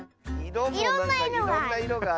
いろもいろんないろがある。